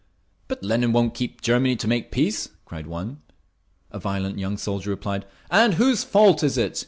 "But Lenin won't get Germany to make peace!" cried one. A violent young soldier replied. "And whose fault is it?